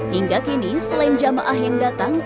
hingga kini selain jamaah yang datang